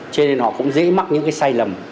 cho nên họ cũng dễ mắc những cái sai lầm